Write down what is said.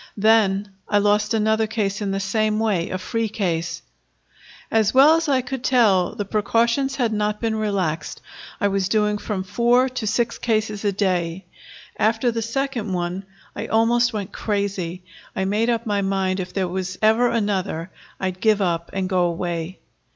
Then I lost another case in the same way a free case. "As well as I could tell, the precautions had not been relaxed. I was doing from four to six cases a day. After the second one I almost went crazy. I made up my mind, if there was ever another, I'd give up and go away."